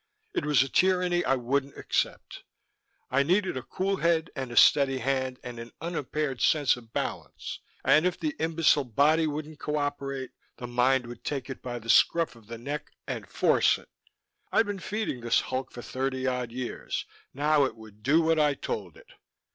It was a tyranny I wouldn't accept. I needed a cool head and a steady hand and an unimpaired sense of balance; and if the imbecile body wouldn't cooperate the mind would take it by the scruff of the neck and force it. I'd been feeding this hulk for thirty odd years; now it would do what I told it.